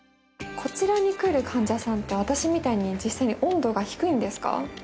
こちらに来る患者さんって私みたいに実際に温度が低いんですか？